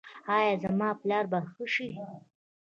ایا زما پلار به ښه شي؟